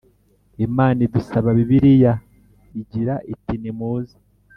Imana idusaba Bibiliya igira iti nimuze